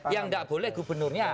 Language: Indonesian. yang tidak boleh gubernurnya